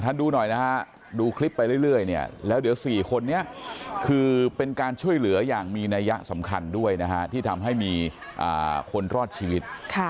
ดูหน่อยนะฮะดูคลิปไปเรื่อยเนี่ยแล้วเดี๋ยว๔คนนี้คือเป็นการช่วยเหลืออย่างมีนัยยะสำคัญด้วยนะฮะที่ทำให้มีคนรอดชีวิต